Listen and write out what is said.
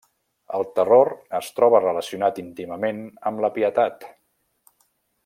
El terror es troba relacionat íntimament amb la pietat.